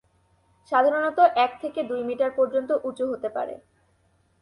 সাধারণত এক থেকে দুই মিটার পর্যন্ত উঁচু হতে পারে।